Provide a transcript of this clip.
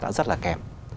đã rất là kèm